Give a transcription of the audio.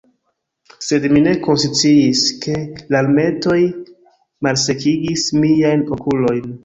Sed mi ne konsciis, ke larmetoj malsekigis miajn okulojn.